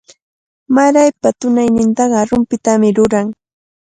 Maraypa tunaynintaqa rumpitami ruran.